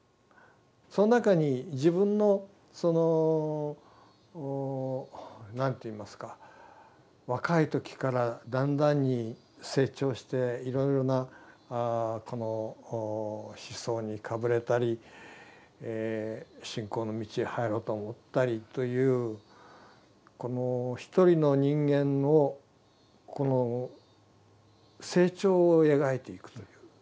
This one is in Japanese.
その中に自分のその何といいますか若い時からだんだんに成長していろいろな思想にかぶれたり信仰の道へ入ろうと思ったりというこの一人の人間のこの成長を描いていくという。